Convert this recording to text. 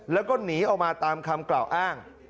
แล้วก็หนีออกมาตามคำกล่าวอ้าง